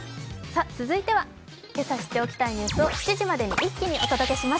続いてはけさ知っておきたいニュースを７時まで一気にお届けします